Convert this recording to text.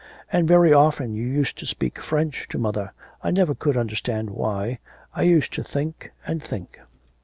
'And very often you used to speak French to mother. I never could understand why I used to think and think.'